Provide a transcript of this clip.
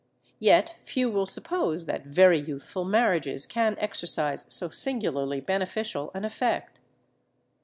Yet few will suppose that very youthful marriages can exercise so singularly beneficial an effect.